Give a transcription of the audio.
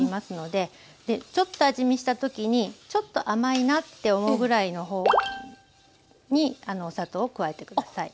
でちょっと味見した時にちょっと甘いなって思うぐらいの方に砂糖を加えて下さい。